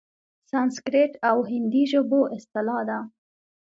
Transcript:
سنسکریت او هندي ژبو اصطلاح ده؛